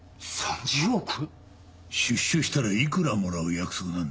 出所したらいくらもらう約束なんだ？